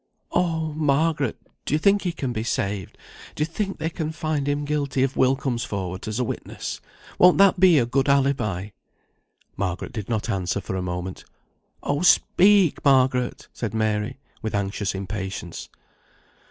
"Oh! Margaret, do you think he can be saved; do you think they can find him guilty if Will comes forward as a witness? Won't that be a good alibi?" Margaret did not answer for a moment. "Oh, speak! Margaret," said Mary, with anxious impatience.